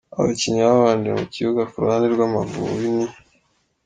Abakinnyi babanje mu kibuga kuruhande rw’Amavubi ni:.